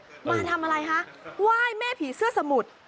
มาทำอะไรคะไหว้แม่ผีเสื้อสมุทร